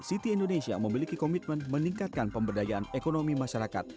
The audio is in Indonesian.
city indonesia memiliki komitmen meningkatkan pemberdayaan ekonomi masyarakat